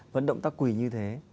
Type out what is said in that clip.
vẫn động tác quỳ như thế